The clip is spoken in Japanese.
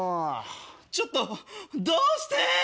ちょっとどうして！？